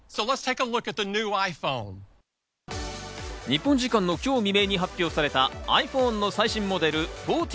日本時間の今日未明に発表されたｉＰｈｏｎｅの最新モデル１４。